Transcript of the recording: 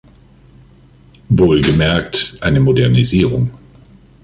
Wohlgemerkt, eine Modernisierung.